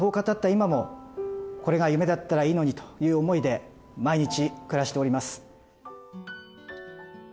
今もこれが夢だったらいいのにという思いで毎日暮らしております。